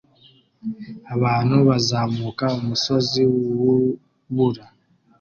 Abantu bazamuka umusozi wubura